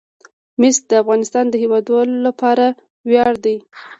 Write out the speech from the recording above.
مس د افغانستان د هیوادوالو لپاره ویاړ دی.